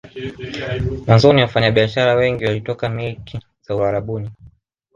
Mwanzoni wafanya biashara wengi walitoka milki za Uarabuni